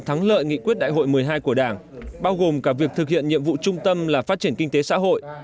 thắng lợi nghị quyết đại hội một mươi hai của đảng bao gồm cả việc thực hiện nhiệm vụ trung tâm là phát triển kinh tế xã hội